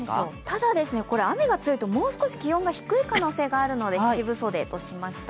ただですね、これ、雨が強いともう少し気温が低い可能性があるので七分袖としました。